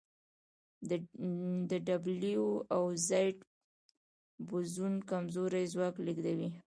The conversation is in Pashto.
د ډبلیو او زیډ بوزون کمزوری ځواک لېږدوي.